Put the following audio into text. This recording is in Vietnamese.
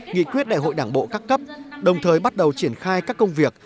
nghị quyết đại hội đảng bộ các cấp đồng thời bắt đầu triển khai các công việc